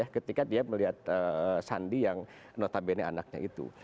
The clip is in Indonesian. ketika dia melihat sandi yang notabene anaknya itu